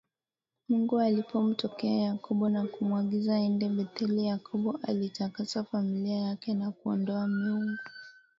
Mungu alipomtokea Yakobo na kumwagiza Aende betheli Yakobo aliitakasa familia yake na kuondoa Miungu